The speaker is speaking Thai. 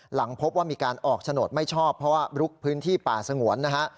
หลังพบว่ามีการออกโฉนดไม่ชอบเพราะว่าลุกพื้นที่ป่าสงวนนะฮะ